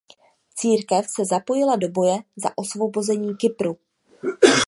Církev se zapojila do boje za osvobození Kypru.